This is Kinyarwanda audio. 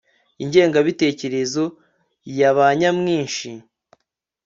ingengabitekerezo ya ba nyamwinshi